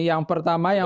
yang pertama yang